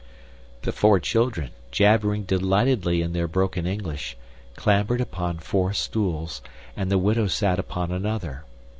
The four children, jabbering delightedly in their broken English, clambered upon four stools, and the widow sat upon another.